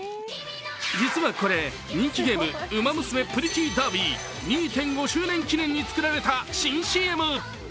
実はこれ、人気ゲーム「ウマ娘プリティーダービー」２．５周年記念に作られた新ＣＭ。